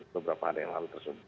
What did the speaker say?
beberapa hari yang lalu tersebut